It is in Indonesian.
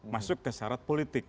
masuk ke syarat politik